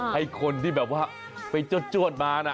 ให้คนที่แบบว่าไปจวดมานะ